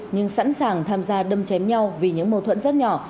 nhưng sẵn sàng tham gia đâm chém nhau vì những mâu thuẫn rất nhỏ